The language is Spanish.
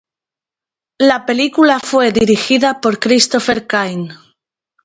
La película fue dirigida por Christopher Cain.